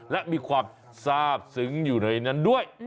และมีความทราบซึ้งอยู่ในนั้นด้วย